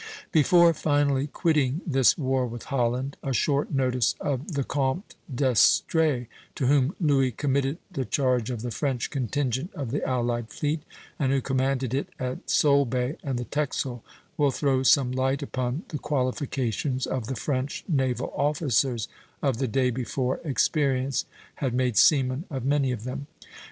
Before finally quitting this war with Holland, a short notice of the Comte d'Estrées, to whom Louis committed the charge of the French contingent of the allied fleet, and who commanded it at Solebay and the Texel, will throw some light upon the qualifications of the French naval officers of the day before experience had made seamen of many of them.